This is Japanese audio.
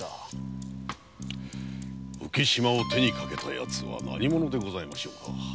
浮島を手にかけたヤツは何者でしょう？